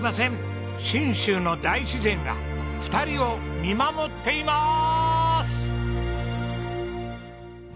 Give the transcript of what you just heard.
信州の大自然が２人を見守っています！